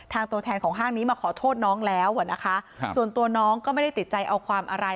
ตัวแทนของห้างนี้มาขอโทษน้องแล้วอ่ะนะคะส่วนตัวน้องก็ไม่ได้ติดใจเอาความอะไร